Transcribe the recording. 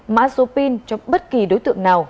mã số pin cho bất kỳ đối tượng nào